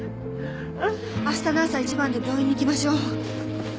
明日の朝一番で病院に行きましょう。